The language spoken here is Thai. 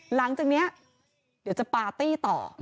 หลังจากเดี๋ยวจะปาร์ตี้